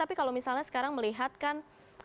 tapi kalau misalnya sekarang melihatkan